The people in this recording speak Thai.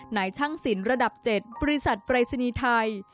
หน่ายช่างศิลป์ระดับ๗บริษัทประสินีไทย